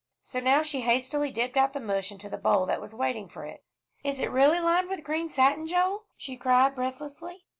So now she hastily dipped out the mush into the bowl that was waiting for it. "Is it really lined with green satin, Joel?" she cried breathlessly.